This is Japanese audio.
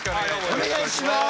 お願いします